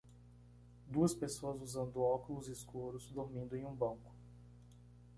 Duas pessoas usando óculos escuros, dormindo em um banco.